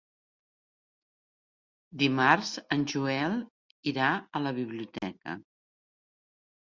Dimarts en Joel irà a la biblioteca.